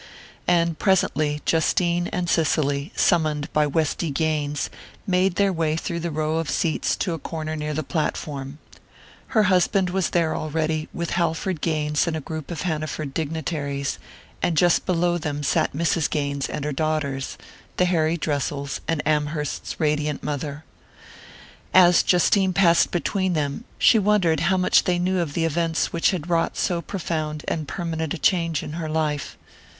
And presently Justine and Cicely, summoned by Westy Gaines, made their way through the rows of seats to a corner near the platform. Her husband was there already, with Halford Gaines and a group of Hanaford dignitaries, and just below them sat Mrs. Gaines and her daughters, the Harry Dressels, and Amherst's radiant mother. As Justine passed between them, she wondered how much they knew of the events which had wrought so profound and permanent change in her life.